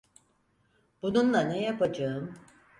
Bununla ne yapacağım?